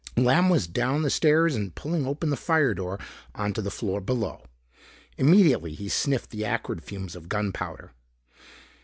Lamb was down the stairs and pulling open the firedoor onto the floor below. Immediately he sniffed the acrid fumes of gunpowder.